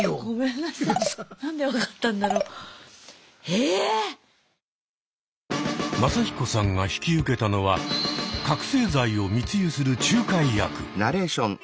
ええ⁉マサヒコさんが引き受けたのは覚醒剤を密輸する仲介役。